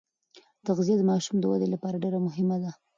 تغذیه د ماشوم د ودې لپاره ډېره مهمه ده.